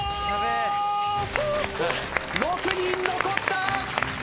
６人残った！